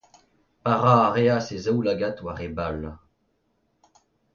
Parañ a reas e zaoulagad war e bal.